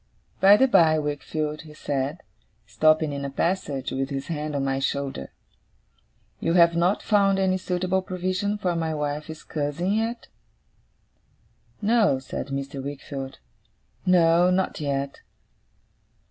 'By the by, Wickfield,' he said, stopping in a passage with his hand on my shoulder; 'you have not found any suitable provision for my wife's cousin yet?' 'No,' said Mr. Wickfield. 'No. Not yet.